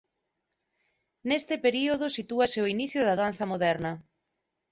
Neste período sitúase o inicio da danza moderna.